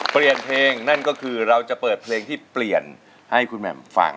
เปลี่ยนเพลงนั่นก็คือเราจะเปิดเพลงที่เปลี่ยนให้คุณแหม่มฟัง